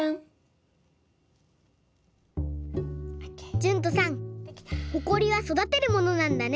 じゅんとさんほこりはそだてるものなんだね。